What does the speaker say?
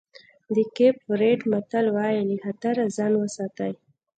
د کېپ ورېډ متل وایي له خطره ځان وساتئ.